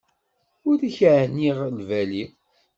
Ur ak-ɛniɣ lbali.